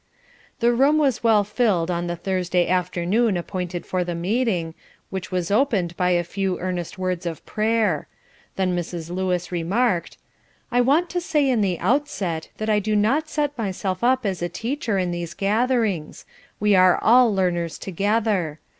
The room was well filled on the Thursday afternoon appointed for the meeting, which was opened by a few earnest words of prayer; then Mrs. Lewis remarked, "I want to say in the outset, that I do not set myself up as a teacher in these gatherings; we are all learners together.